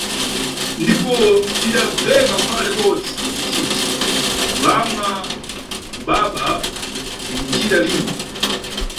Ndipo lidabveka fala libodzi liciti -kulamwa ubaba – bzinicita lini.